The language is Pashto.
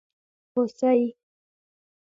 🦌 هوسي